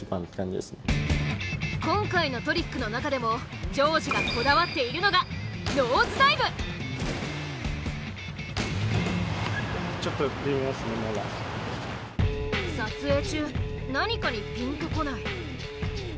今回のトリックの中でも丈司がこだわっているのが撮影中何かにピンとこない。